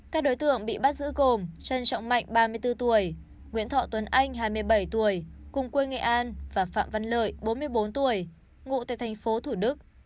các đối tượng bị bắt giữ gồm trân trọng mạnh ba mươi bốn tuổi nguyễn thọ tuấn anh hai mươi bảy tuổi cùng quê nghệ an và phạm văn lợi bốn mươi bốn tuổi ngụ tại tp thủ đức